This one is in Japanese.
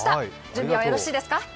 準備はよろしいですか？